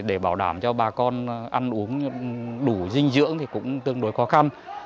năm mươi bảy để bảo đảm cho bà con ăn uống đủ dinh dưỡng thì cũng tương đối khó khăn